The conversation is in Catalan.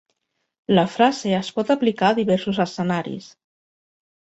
La frase es pot aplicar a diversos escenaris.